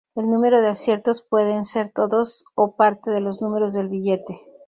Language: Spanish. El número de aciertos pueden ser todos o parte de los número del billete.